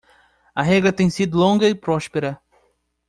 A regra tem sido longa e próspera.